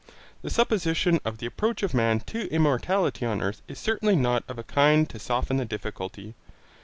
The supposition of the approach of man to immortality on earth is certainly not of a kind to soften the difficulty.